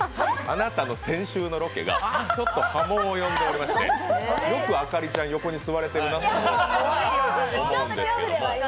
あなたの先週のロケがちょっと波紋を呼んでますけどよく朱莉ちゃん横に座れてるなと思うんですが